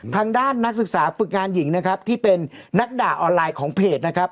นักศึกษาฝึกงานหญิงนะครับที่เป็นนักด่าออนไลน์ของเพจนะครับ